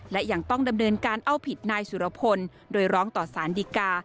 และยังต้องดำเนินการเอาผิดนายสุรพลโดยร้องต่อสารดีกา